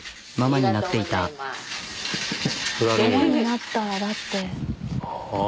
ママになったらだって。